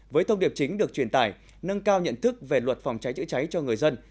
với thông điệp chính được truyền tải nâng cao nhận thức về luật phòng cháy chữa cháy cho người dân